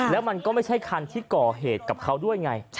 แล้วมันก็ไม่ใช่คันที่ก่อเหตุกับเขาด้วยไง